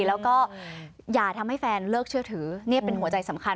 แล้วก็อย่าทำให้แฟนเลิกเชื่อถือนี่เป็นหัวใจสำคัญ